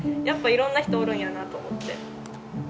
やっぱいろんな人おるんやなと思って。